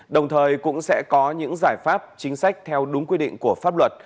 đồng thời cũng sẽ có những giải pháp chính sách theo đúng quy định của pháp luật